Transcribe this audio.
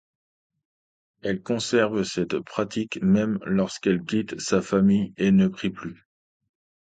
Elle conserve cette pratique même lorsqu'elle quitte sa famille et ne prie plus.